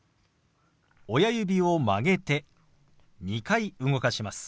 親指を曲げて２回動かします。